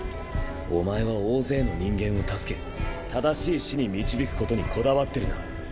お前は大勢の人間を助け正しい死に導くことにこだわってるな。